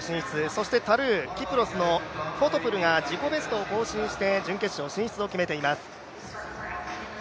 そしてタルー、キプロスのフォトプルが自己ベストを更新して、準決勝進出を決めています。